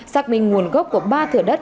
xác minh nguồn gốc của ba thửa đất